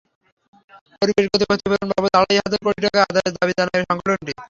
পরিবেশগত ক্ষতিপূরণ বাবদ আড়াই হাজার কোটি টাকা আদায়ের দাবি জানায় সংগঠনটি।